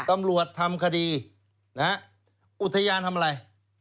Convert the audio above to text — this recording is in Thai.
ตำรวจทำคดีนะฮะอุทยานทำอะไร